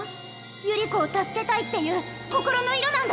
百合子を助けたいっていう心の色なんだ！